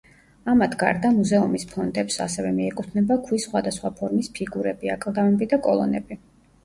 ამათ გარდა მუზეუმის ფონდებს ასევე მიეკუთვნება ქვის სხვადასხვა ფორმის ფიგურები, აკლდამები და კოლონები.